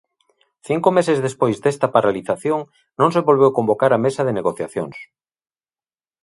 Cinco meses despois desta paralización, non se volveu convocar a mesa de negociacións.